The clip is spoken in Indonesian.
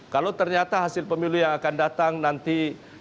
kalau ternyata hasil pemilu yang akan datang nanti